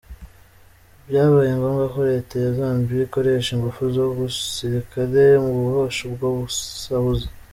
Byabaye ngombwa ko leta ya Zambiya ikoresha ingufu za gisrikare mu gohosha ubwo busahuzi.